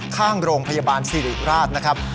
ข้างโรงพยาบาลสิริราชนะครับ